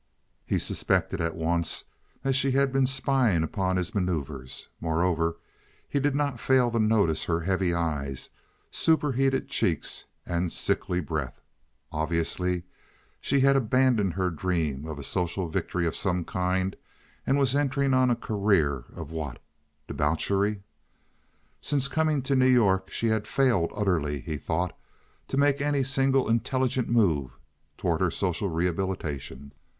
He suspected at once that she had been spying upon his manoeuvers. Moreover, he did not fail to notice her heavy eyes, superheated cheeks, and sickly breath. Obviously she had abandoned her dream of a social victory of some kind, and was entering on a career of what—debauchery? Since coming to New York she had failed utterly, he thought, to make any single intelligent move toward her social rehabilitation.